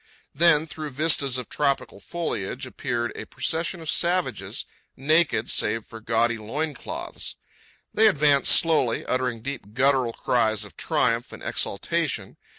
Then, through vistas of tropical foliage appeared a procession of savages, naked save for gaudy loin cloths. They advanced slowly, uttering deep guttural cries of triumph and exaltation.